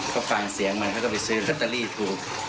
ก็ฟังเสียงมันเขาก็ไปซื้อลอตเตอรี่ถูก